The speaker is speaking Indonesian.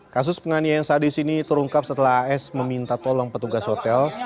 kasus penganyian yang saat ini terungkap setelah as meminta tolong petugas hotel